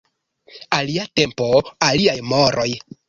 Alia tempo, aliaj moroj.